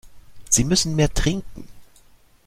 Sie müssen mehr trinken.